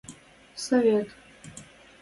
– Совет...